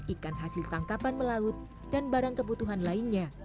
ikan hasil tangkapan melaut dan barang kebutuhan lainnya